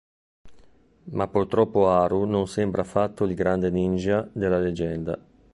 Ma purtroppo Haru non sembra affatto il grande ninja della leggenda.